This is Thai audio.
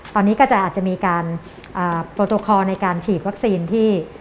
ตอนนี้ก็จะอาจจะมีการโปรโตคอลในการฉีดวัคซีนที่